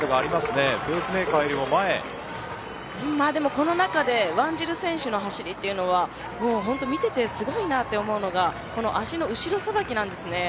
この中でワンジル選手の走りは見ていてすごいなと思うのが足の後ろの裁きです。